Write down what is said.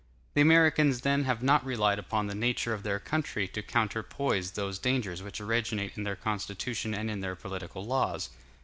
The Americans, then, have not relied upon the nature of their country to counterpoise those dangers which originate in their Constitution and in their political laws.